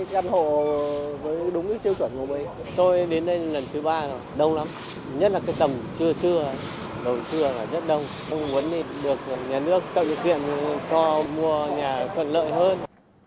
cho mua nhà thuận lợi hơn